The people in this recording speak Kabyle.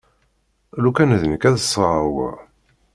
Lukan d nekk ad d-sɣeɣ wa.